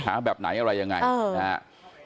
ท้าแบบไหนอะไรยังไงนะฮะ